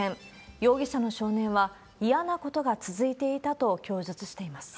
容疑者の少年は、嫌なことが続いていたと供述しています。